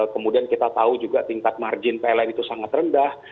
kemudian kita tahu juga tingkat margin pln itu sangat rendah